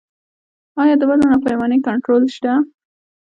آیا د وزن او پیمانې کنټرول شته؟